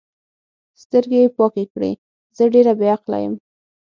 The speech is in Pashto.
سترګې یې پاکې کړې: زه ډېره بې عقله یم.